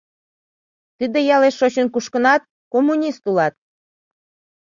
«Тиде ялеш шочын-кушкынат, коммунист улат.